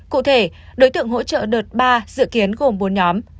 cụ thể đối tượng hỗ trợ đợt ba dự kiến gồm bốn nhóm